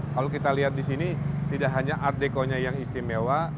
kalau kita lihat di sini tidak hanya art dekonya yang istimewa